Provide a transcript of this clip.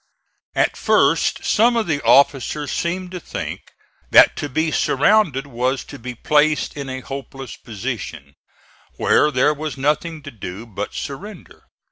At first some of the officers seemed to think that to be surrounded was to be placed in a hopeless position, where there was nothing to do but surrender.